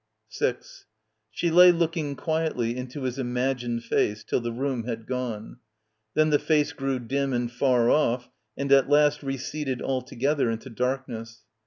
She lay looking quietly into his imagined face till the room had gone. Then the face grew dim and far off and at last receded altogether into darkness.